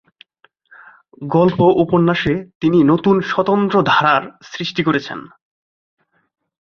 গল্প ও উপন্যাসে তিনি নতুন স্বতন্ত্র ধারার সৃষ্টি করেছেন।